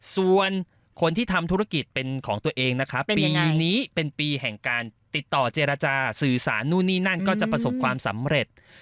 ส่วนคนที่ทำธุรกิจเป็นของตัวเองนะครับปีนี้เป็นปีแห่งการติดต่อเจรจาสื่อสารนู่นนี่นั่นก็จะประสบความสำเร็จ